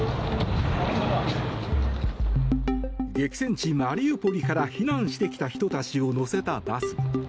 激戦地マリウポリから避難してきた人たちを乗せたバス。